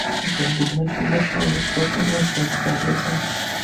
তিনি বিভিন্ন সংবাদপত্রে স্বল্প সময়ের কাজ চালিয়ে যান।